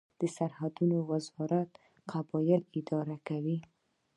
د سرحدونو وزارت قبایل اداره کوي